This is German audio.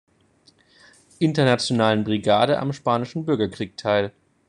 Internationalen Brigade am Spanischen Bürgerkrieg teil.